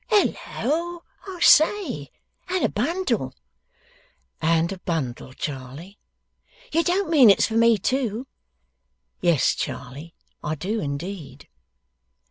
Hal loa! I say? And a bundle?' 'And a bundle, Charley.' 'You don't mean it's for me, too?' 'Yes, Charley; I do; indeed.